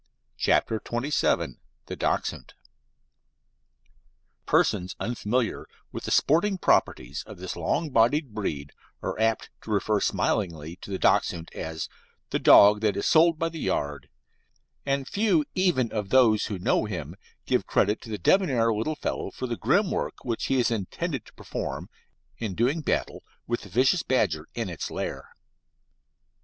CHAPTER XXVII THE DACHSHUND Persons unfamiliar with the sporting properties of this long bodied breed are apt to refer smilingly to the Dachshund as "the dog that is sold by the yard," and few even of those who know him give credit to the debonair little fellow for the grim work which he is intended to perform in doing battle with the vicious badger in its lair.